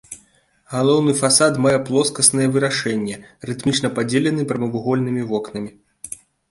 Галоўны фасад мае плоскаснае вырашэнне, рытмічна падзелены прамавугольнымі вокнамі.